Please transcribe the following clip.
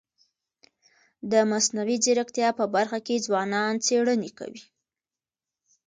د مصنوعي ځیرکتیا په برخه کي ځوانان څيړني کوي.